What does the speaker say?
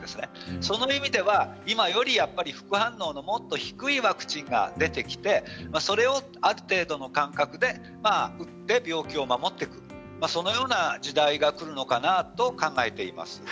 そういう意味では今よりやっぱり副反応のもっと低いワクチンが出てきてそれをある程度の間隔で打って病気から守っていくそのような時代がくるのかなと考えています。